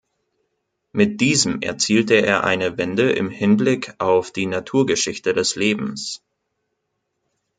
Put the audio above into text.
Mit diesem erzielte er eine Wende im Hinblick auf die Naturgeschichte des Lebens.